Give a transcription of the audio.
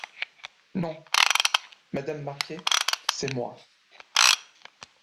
Non: Madame Marquet, c’est moi!